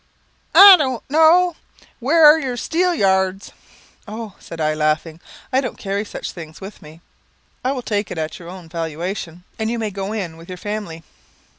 "I don't know. Where are your steelyards?" "Oh," said I, laughing, "I don't carry such things with me. I will take it at your own valuation, and you may go in with your family."